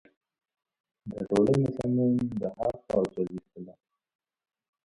د ټولنې سمون د هر فرد وظیفه ده.